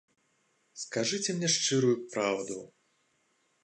Скажыце мне шчырую праўду.